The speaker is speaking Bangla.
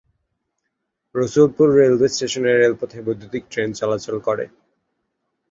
রসুলপুর রেলওয়ে স্টেশনের রেলপথে বৈদ্যুতীক ট্রেন চলাচল করে।